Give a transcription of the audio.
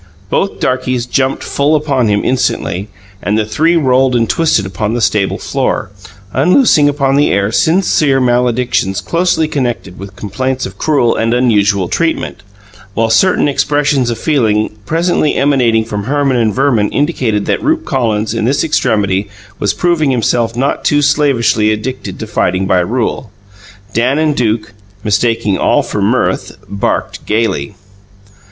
Both darkies jumped full upon him instantly, and the three rolled and twisted upon the stable floor, unloosing upon the air sincere maledictions closely connected with complaints of cruel and unusual treatment; while certain expressions of feeling presently emanating from Herman and Verman indicated that Rupe Collins, in this extremity, was proving himself not too slavishly addicted to fighting by rule. Dan and Duke, mistaking all for mirth, barked gayly.